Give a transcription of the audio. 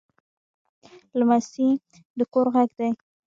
لمسی د کور غږ دی.